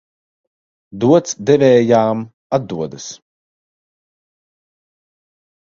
Dots devējām atdodas.